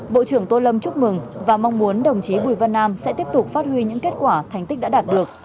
bộ trưởng tô lâm chúc mừng và mong muốn đồng chí bùi văn nam sẽ tiếp tục phát huy những kết quả thành tích đã đạt được